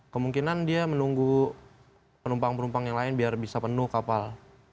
kemungkinan dia menunggu penumpang penumpang yang lain biar bisa penuh kapal